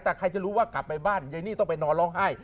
แต่ใครจะรู้ว่ากลับไปบ้านยายนี่ต้องไปนอนร้องไห้